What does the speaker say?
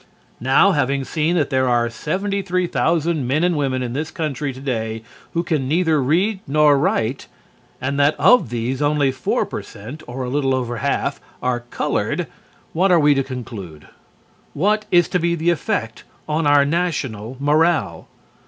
Now, having seen that there are 73,000 men and women in this country today who can neither read nor write, and that of these only 4%, or a little over half, are colored, what are we to conclude? What is to be the effect on our national morale?